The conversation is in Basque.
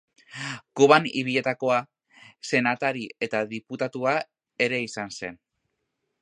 Kuban ibilitakoa, senatari eta diputatua ere izan zen.